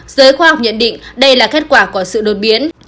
giới khoa học nhận định đây là kết quả của sự đột biến